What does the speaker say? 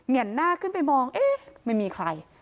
นหน้าขึ้นไปมองเอ๊ะไม่มีใคร